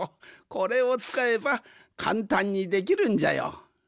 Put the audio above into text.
これをつかえばかんたんにできるんじゃよ。